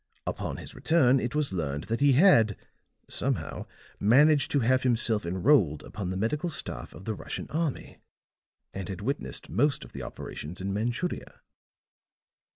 Upon his return it was learned that he had, somehow, managed to have himself enrolled upon the medical staff of the Russian army, and had witnessed most of the operations in Manchuria.